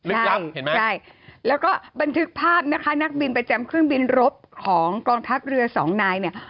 ย่ำเห็นไหมใช่แล้วก็บันทึกภาพนะคะนักบินประจำเครื่องบินรบของกองทัพเรือสองนายเนี่ย